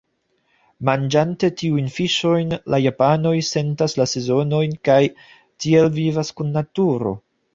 Manĝante tiujn fiŝojn, la japanoj sentas la sezonojn kaj tiel vivas kun naturo.